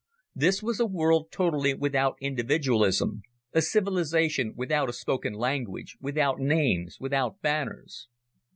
This was a world totally without individualism, a civilization without a spoken language, without names, without banners.